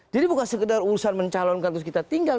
jadi bukan sekedar urusan mencalonkan terus kita tinggal